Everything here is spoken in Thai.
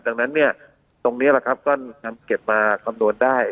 ดังนั้นเนี่ยตรงนี้แหละครับก็นำเก็บมาคำนวณได้